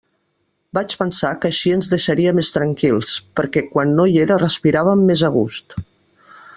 Vaig pensar que així ens deixaria més tranquils, perquè quan no hi era respiràvem més a gust.